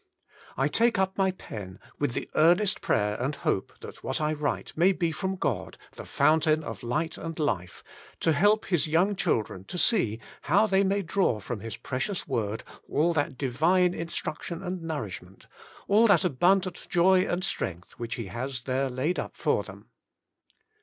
I take up my pen with the earnest prayer and hope that what I write may be from God, the fountain of Light and Life, to help His young children to see how they may draw from His precious Word all that Divine instruction and nourishment, all that abundant joy and strength which He has there laid up for them.